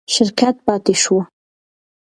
شرکت پاتې شو.